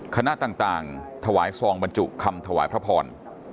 คณะต่างถวายซองบรรจุคำถวายพระพร